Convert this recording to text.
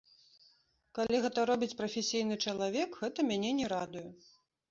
Калі гэта робіць прафесійны чалавек, гэта мяне не радуе.